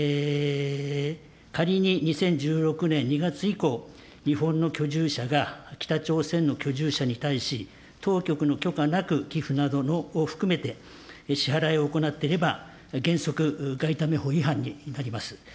仮に２０１６年２月以降、日本の居住者が北朝鮮の居住者に対し、当局の許可なく寄付などを含めて、支払いを行っていれば、原則、外為法違反になります。